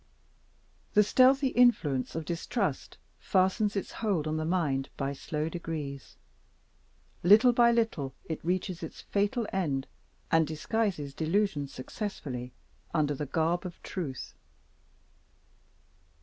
The stealthy influence of distrust fastens its hold on the mind by slow degrees. Little by little it reaches its fatal end, and disguises delusion successfully under the garb of truth.